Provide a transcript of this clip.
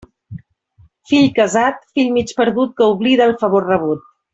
Fill casat, fill mig perdut, que oblida el favor rebut.